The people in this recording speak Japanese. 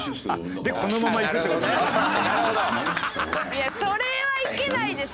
いやそれはいけないでしょ。